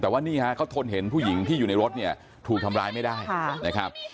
แต่ว่านี่ฮะเขาทนเห็นผู้หญิงที่อยู่ในรถเนี่ยถูกทำร้ายไม่ได้นะครับ